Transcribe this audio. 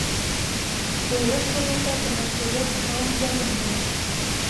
د ولس ملاتړ د مشروعیت د دوام ضامن دی